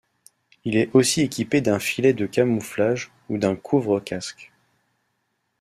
Il est aussi équipé d'un filet de camouflage ou d'un couvre-casque.